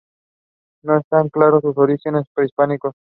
No están claros sus orígenes prehispánicos.